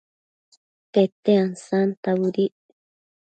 Pete ansanta bëdic